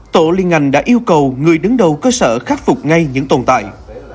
tổ liên ngành đã yêu cầu người đứng đầu cơ sở khắc phục ngay những tồn tại